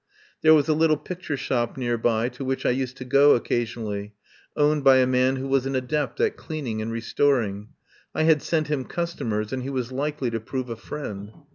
There was a little picture shop near by to which I used to go occasionally, owned by a man who was an adept at cleaning and restor ing. I had sent him customers and he was likely to prove a friend.